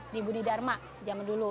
di budi dharma zaman dulu